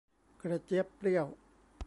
กระเจี๊ยบเปรี้ยว